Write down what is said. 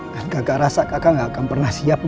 kan kakak rasa kakak gak akan pernah siap